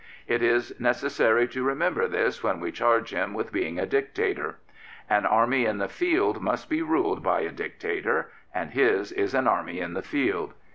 It is necessary to remember this when we charge him with being a dictator. An army in the field must be ruled by a dictator, and his is an army in the field.